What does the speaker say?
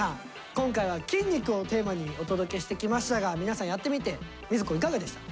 今回は「筋肉」をテーマにお届けしてきましたが皆さんやってみて瑞稀くんいかがでした？